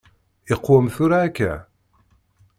Iqwem tura akka?